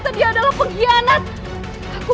tapi kesalahan itu